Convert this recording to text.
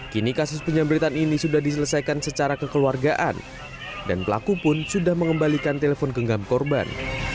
kini kasus penyambretan ini sudah diselesaikan secara kekeluargaan dan pelaku pun sudah mengembalikan telepon genggam korban